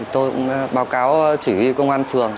tôi báo cáo chỉ công an phường